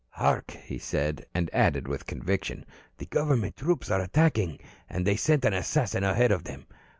"Hark," said he, and added with conviction: "The government troops are attacking. And they sent an assassin ahead of them.